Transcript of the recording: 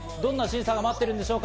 どんな審査が待ってるんでしょうか。